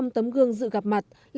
bốn trăm linh tấm gương dự gặp mặt